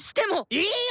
いいよ！